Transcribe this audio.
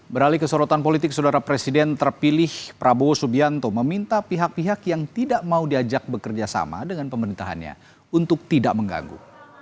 beralih ke sorotan politik saudara presiden terpilih prabowo subianto meminta pihak pihak yang tidak mau diajak bekerja sama dengan pemerintahannya untuk tidak mengganggu